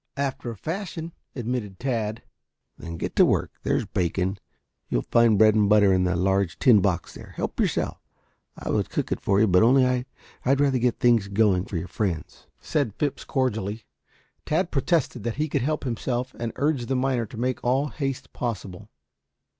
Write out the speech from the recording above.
"After a fashion," admitted Tad. "Then get to work. There's bacon. You'll find bread and butter in the large tin box there. Help yourself. I would cook it for you only I would rather get things going for your friends," said Phipps cordially. Tad protested that he could help himself and urged the miner to make all haste possible.